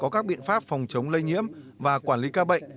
các biện pháp phòng chống lây nhiễm và quản lý ca bệnh